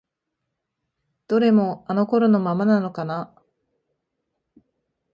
どれもあの頃のままなのかな？